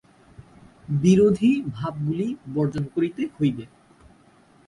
বিরোধী ভাবগুলি বর্জন করিতে হইবে।